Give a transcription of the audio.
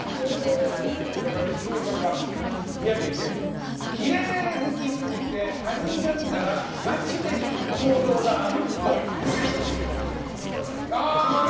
上から３つ目三宅健さん、きれい好きすぎて他人が見たらガチで引く行動があるっぽい。